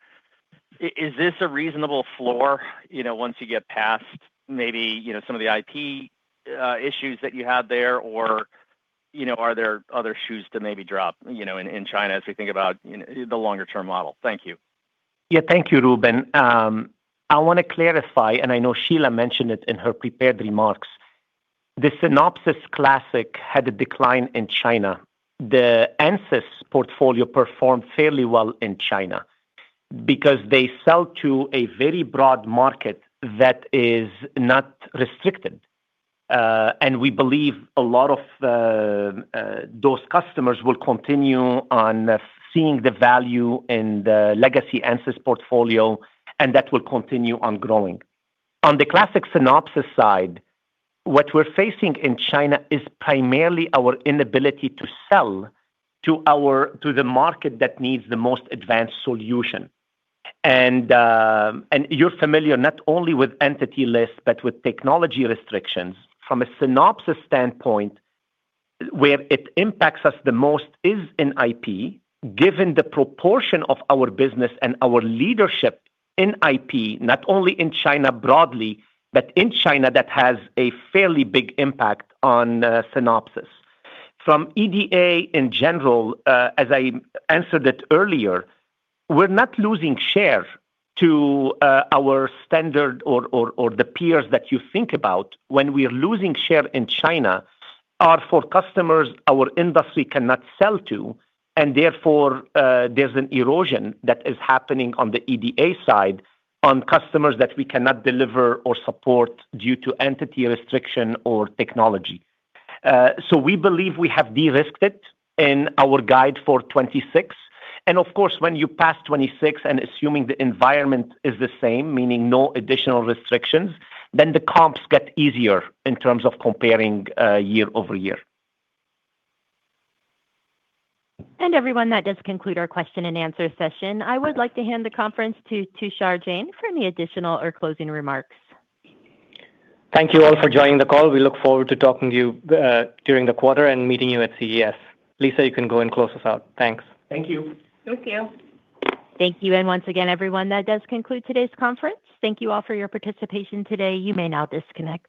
S13: is this a reasonable floor once you get past maybe some of the IP issues that you have there, or are there other shoes to maybe drop in China as we think about the longer-term model? Thank you.
S3: Yeah. Thank you, Ruben. I want to clarify, and I know Shelagh mentioned it in her prepared remarks. The Synopsys classic had a decline in China. The Ansys portfolio performed fairly well in China because they sell to a very broad market that is not restricted. And we believe a lot of those customers will continue on seeing the value in the legacy Ansys portfolio, and that will continue on growing. On the classic Synopsys side, what we're facing in China is primarily our inability to sell to the market that needs the most advanced solution. And you're familiar not only with entity lists, but with technology restrictions. From a Synopsys standpoint, where it impacts us the most is in IP, given the proportion of our business and our leadership in IP, not only in China broadly, but in China that has a fairly big impact on Synopsys. From EDA in general, as I answered it earlier, we're not losing share to our standard or the peers that you think about when we're losing share in China are for customers our industry cannot sell to. And therefore, there's an erosion that is happening on the EDA side on customers that we cannot deliver or support due to entity restriction or technology. So we believe we have de-risked it in our guide for 2026. And of course, when you pass 2026 and assuming the environment is the same, meaning no additional restrictions, then the comps get easier in terms of comparing year-over-year.
S1: And everyone, that does conclude our question and answer session. I would like to hand the conference to Tushar Jain for any additional or closing remarks.
S2: Thank you all for joining the call. We look forward to talking to you during the quarter and meeting you at CES. Lisa, you can go and close us out. Thanks.
S3: Thank you.
S4: Thank you.
S1: Thank you. And once again, everyone, that does conclude today's conference. Thank you all for your participation today. You may now disconnect.